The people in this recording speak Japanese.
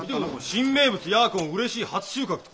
「新名物ヤーコンうれしい初収穫」って。